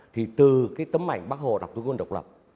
thì từ cái tấm ảnh bác hồ đọc tư quân độc lập